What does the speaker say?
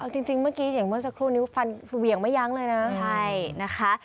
จริงเมื่อกี้อย่างเมื่อสักครู่นี้ฟันเหวี่ยงไม่ยั้งเลยนะใช่นะคะ